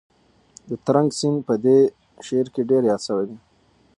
د ترنک سیند په دې شعر کې ډېر یاد شوی دی.